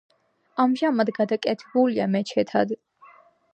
ამჟამად გადაკეთებულია მეჩეთად.